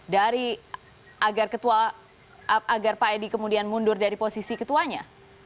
dari agar pak edi kemudian mundur dari posisi ketuanya